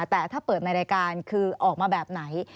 แต่ถ้าเปิดในรายการคือออกมาแบบไหน